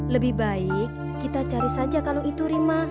lebih baik kita cari saja kalau itu rima